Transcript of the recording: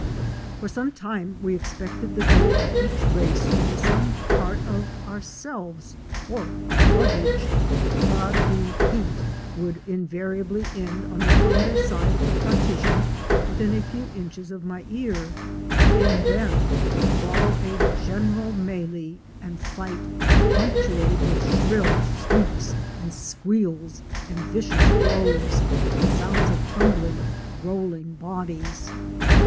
For some time we expected the goal of each race to be some part of ourselves or our luggage, but the "heat" would invariably end on the under side of the partition within a few inches of my car, and then would fol low a general mélée and fight, punctuated with shrill squeaks and squeals and vicious blows and sounds of tumbling, rolling bodies.